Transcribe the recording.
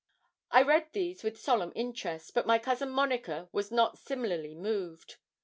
I read these with a solemn interest, but my cousin Monica was not similarly moved.